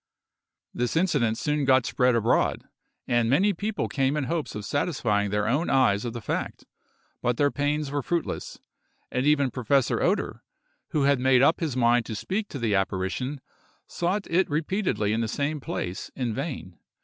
This incident soon got spread abroad, and many people came in hopes of satisfying their own eyes of the fact, but their pains were fruitless; and even Professor Oeder, who had made up his mind to speak to the apparition, sought it repeatedly in the same place in vain.